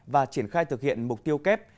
và triển khai thực hiện mục tiêu kép